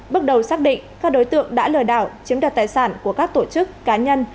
bước đầu xác định các đối tượng đã lừa đảo chiếm đoạt tài sản của các tổ chức cá nhân